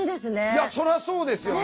いやそらそうですよね。